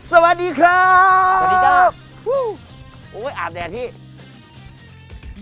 สวัสดีครับสวัสดีครับโอ้ยอาบแดดพี่